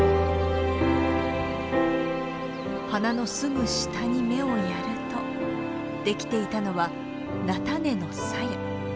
花のすぐ下に目をやるとできていたのは菜種のさや。